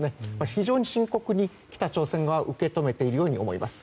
非常に深刻に北朝鮮は受け止めているように思います。